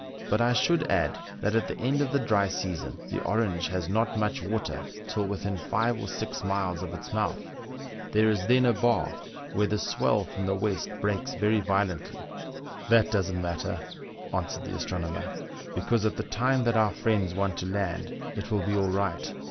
" But I should add that at the end of the dry season the Orange has not much water till within five or six miles of its mouth ; there is then a bar, where the swell from the west breaks very violently." " That doesn't matter," answered the astronomer, " be cause at the time that our friends want to land it will be all right.